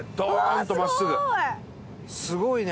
すごいね！